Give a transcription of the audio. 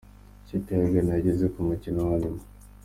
Ikipe ya Ghana yageze ku mukino wa nyuma.